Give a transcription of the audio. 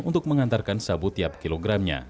untuk mengantarkan sabu tiap kilogramnya